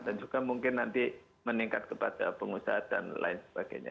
dan juga mungkin nanti meningkat kepada pengusaha dan lain sebagainya